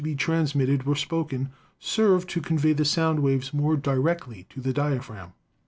be transmitted were spoken, served to convey the sound waves more directly to the diaphragm.